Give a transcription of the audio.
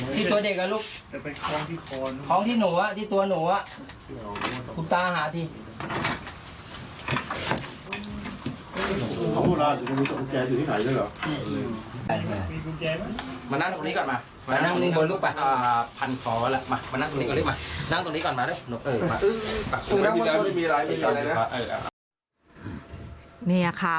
สวัสดีครับคุณตา